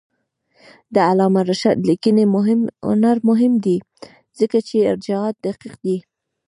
د علامه رشاد لیکنی هنر مهم دی ځکه چې ارجاعات دقیق دي.